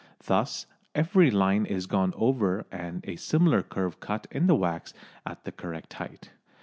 Thus every line is gone over and a similar curve cut in the wax at the correct height.